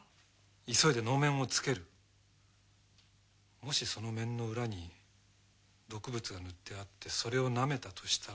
急いで能面を付けるもしその面の裏に毒物が塗ってあってそれをなめたとしたら。